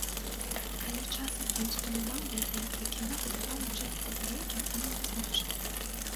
Калі часам і ўспамінаў яе, дык яна выдавала чымсьці далёкім і малазначным.